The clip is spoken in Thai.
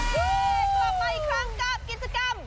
เย่ต่อไปครั้งกล้ามกิจกรรม